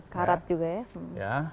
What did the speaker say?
karat juga ya